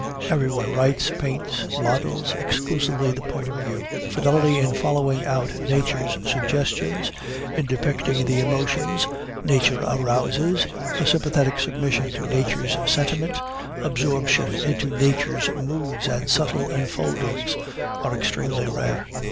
Everyone writes, paints, models, exclusively the point of view. Fidelity in following out nature's suggestions, in depicting the emotions nature arouses, a sympathetic submission to nature's sentiment, absorption into nature's moods and subtle enfoldings, are extremely rare.